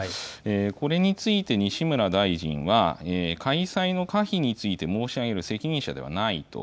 これについて、西村大臣は、開催の可否について申し上げる責任者ではないと。